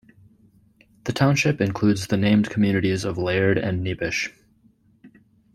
The township includes the named communities of Laird and Neebish.